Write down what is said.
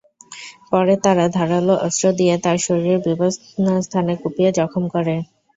পরে তারা ধারালো অস্ত্র দিয়ে তাঁর শরীরের বিভিন্ন স্থান কুপিয়ে জখম করে।